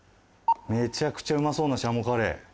めちゃくちゃうまそうな軍鶏カレー。